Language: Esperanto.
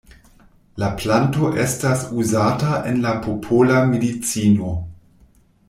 La planto estas uzata en la popola medicino.